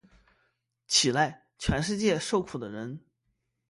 起来，全世界受苦的人！